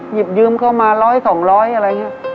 หยิบยืมเข้ามาร้อยสองร้อยอะไรอย่างเงี้ย